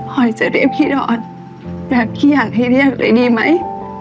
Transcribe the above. ปลอยจะเรียบขี้ดอนแบบขี้ห่างที่เรียกเลยดีไหม